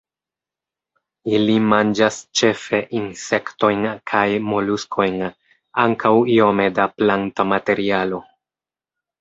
Ili manĝas ĉefe insektojn kaj moluskojn, ankaŭ iome da planta materialo.